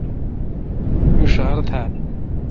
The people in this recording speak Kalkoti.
می ݭار تھال۔